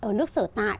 ở nước sở tại